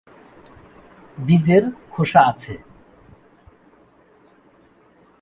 বীজের খোসা আছে।